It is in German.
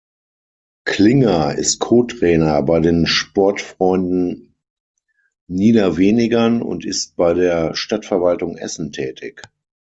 Klinger ist Co-Trainer bei den Sportfreunden Niederwenigern und ist bei der Stadtverwaltung Essen tätig.